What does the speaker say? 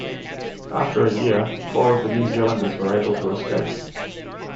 After a year, four of the New Zealanders were able to escape.